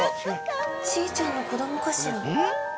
チーちゃんの子供かしら。